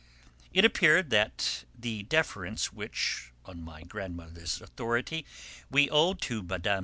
It appeared that the deference which, on my grandmother's authority, we owed to Mme.